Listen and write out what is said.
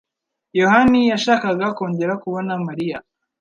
Yohani yashakaga kongera kubona Mariya.